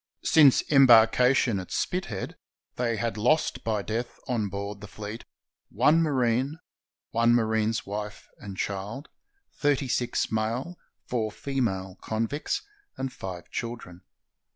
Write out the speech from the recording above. Since embarkation at Spithead they had lost by death on board the fleet one marine, one marine's wife and child, thirty six male, four female con\dcts, and five children.